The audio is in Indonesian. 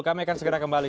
kami akan segera kembali